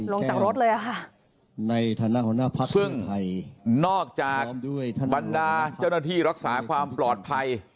ลงจากรถเลยอะค่ะในฐานะหัวหน้าพักซึ่งนอกจากบรรดาเจ้าหน้าที่รักษาความปลอดภัย